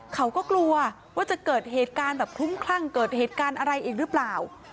เขาก็กลัวว่าจะเกิดเหตุการณ์แบบคลุ้มคลั่งเกิดเหตุการณ์อะไรอีกหรือเปล่า